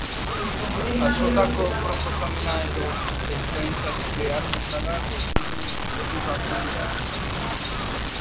asotako proposamen edo eskaintzak behar bezala dokumentatuko dira.